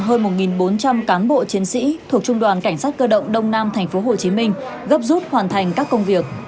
hơn một bốn trăm linh cán bộ chiến sĩ thuộc trung đoàn cảnh sát cơ động đông nam tp hcm gấp rút hoàn thành các công việc